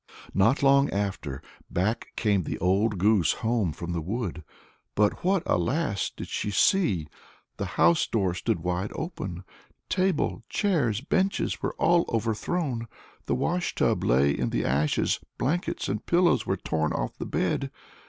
Not long after, back came the old goose home from the wood; but what, alas! did she see? The house door stood wide open; table, chairs, benches, were all overthrown; the wash tub lay in the ashes; blankets and pillows were torn off the bed.